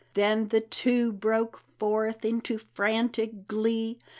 Then the two broke forth into frantic glee.